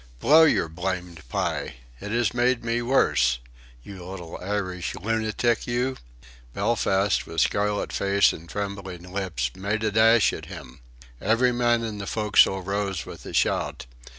Blow your blamed pie. It has made me worse you little Irish lunatic, you!" Belfast, with scarlet face and trembling lips, made a dash at him. Every man in the forecastle rose with a shout.